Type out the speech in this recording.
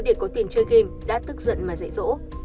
để có tiền chơi game đã tức giận mà dạy dỗ